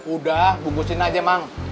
udah bungkusin aja mang